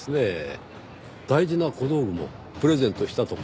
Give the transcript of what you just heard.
大事な小道具もプレゼントしたとか。